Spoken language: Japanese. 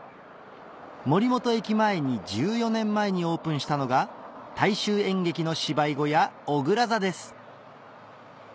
森本駅前に１４年前にオープンしたのが大衆演劇の芝居小屋おぐら座です